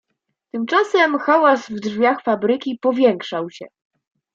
"Tymczasem hałas w drzwiach fabryki powiększał się."